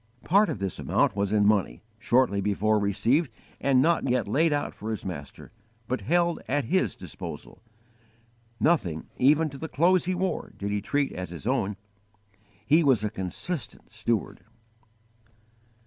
Part of this amount was in money, shortly before received and not yet laid out for his Master, but held at His disposal. Nothing, even to the clothes he wore, did he treat as his own. He was a consistent steward.